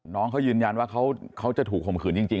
น้องเขายืนยันว่าเขาจะถูกข่มขืนจริง